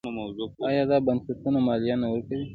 آیا دا بنسټونه مالیه نه ورکوي؟